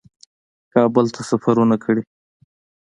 کابل ته سفرونه کړي